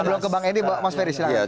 jadi sebelum kebangin ini mas ferry silahkan